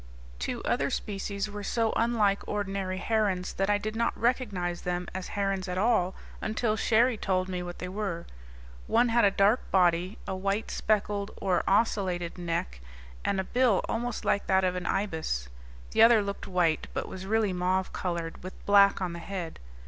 Two other species were so unlike ordinary herons that I did not recognize them as herons at all until Cherrie told me what they were. One had a dark body, a white speckled or ocellated neck, and a bill almost like that of an ibis. The other looked white, but was really mauve colored, with black on the head.